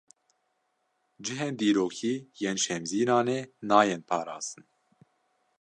Cihên dîrokî yên Şemzînanê, nayên parastin